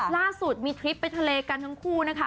ล่าสุดมีทริปไปทะเลกันทั้งคู่นะคะ